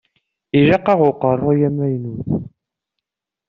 Ilaq-aɣ uqeṛṛuy amaynut.